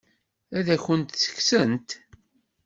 Ad akent-tt-kksent?